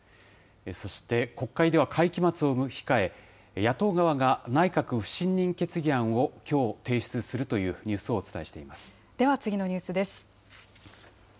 そして国会では会期末を控え、野党側が内閣不信任決議案をきょう提出するというニュースをお伝では次のニュースです。